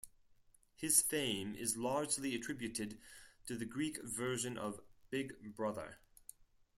His fame is largely attributed to the Greek version of "Big Brother".